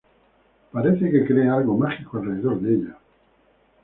Parece que cree algo mágico alrededor de ella.